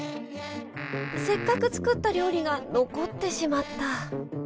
せっかく作った料理が残ってしまった。